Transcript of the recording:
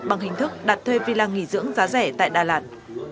bằng hình thức đặt thuê vì là nghỉ dưỡng giá rẻ tại đà lạt